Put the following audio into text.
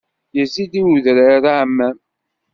Yezzi-d i wedrar aɛmam.